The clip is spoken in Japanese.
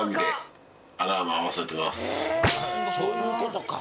そういうことか。